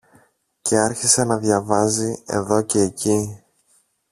Και άρχισε να διαβάζει εδώ κι εκεί